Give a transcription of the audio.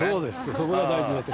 そこが大事なとこ。